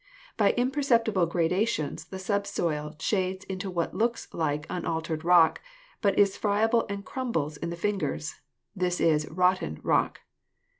By imperceptible gradations the subsoil shades into what looks like unaltered rock, but is friable and crumbles in the fingers; this is 'rotten rock.'